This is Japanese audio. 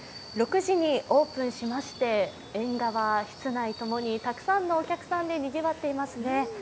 ６時にオープンしまして、縁側、室内ともにたくさんのお客さんでにぎわっていますね。